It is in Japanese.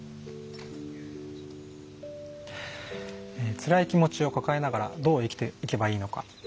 つらい気持ちを抱えながらどう生きていけばいいのか。